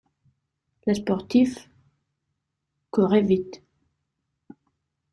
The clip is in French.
Les sportifs courraient vite.